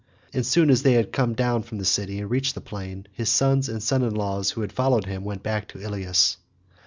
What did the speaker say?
As soon as they had come down from the city and had reached the plain, his sons and sons in law who had followed him went back to Ilius.